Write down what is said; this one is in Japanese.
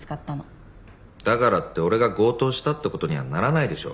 だからって俺が強盗したって事にはならないでしょ。